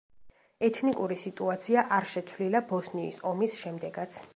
ეთნიკური სიტუაცია არ შეცვლილა ბოსნიის ომის შემდეგაც.